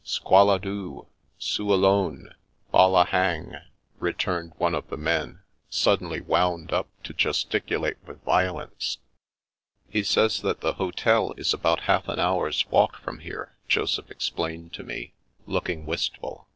" Squall a doo, soo a lone, boUa hang," returned one of the men, suddenly wound up to gesticulate with violence. '' He sa3rs that the hotel is about half an hour's walk from here," Joseph explained to me, looking wistful.